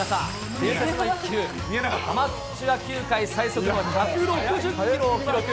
伝説の一球、アマチュア野球界最速の１６０キロを記録。